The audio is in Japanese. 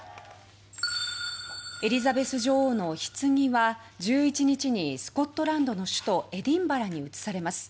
エリザベス女王のひつぎは１１日に、スコットランドの首都エディンバラに移されます。